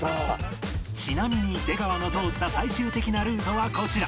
ちなみに出川の通った最終的なルートはこちら